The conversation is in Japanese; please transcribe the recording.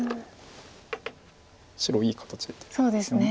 白いい形ですよね。